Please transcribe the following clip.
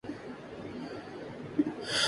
اس کی وفات ہو چکی ہے، اللہ اس کے درجات بلند کرے۔